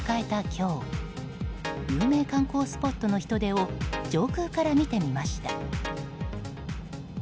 今日有名観光スポットの人出を上空から見てみました。